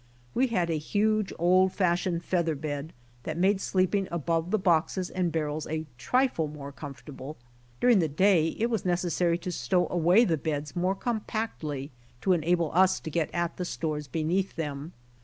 We had a huge old fashioned feather bed, that made sleeping al)ove the boxes and barrels a trifle more comfortable. During the day it was necessary to stow away the beds more compactly to enable us to get at the stores beneath them.